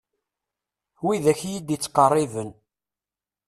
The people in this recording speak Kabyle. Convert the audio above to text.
Wid akk iyi-d-ittqerriben.